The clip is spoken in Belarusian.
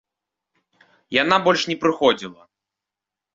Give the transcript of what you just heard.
Яна больш не прыходзіла.